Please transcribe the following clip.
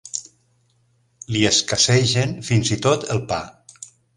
Li escassegen fins i tot el pa.